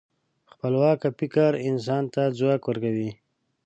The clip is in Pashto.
خپلواکه فکر انسان ته ځواک ورکوي.